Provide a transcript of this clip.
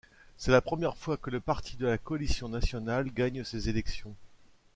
C'est la première fois que le Parti de la Coalition nationale gagne ces élections.